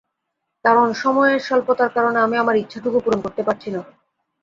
কারণ, সময়ের স্বল্পতার কারণে আমি আমার ইচ্ছাটুকু পূরণ করতে পারছি না।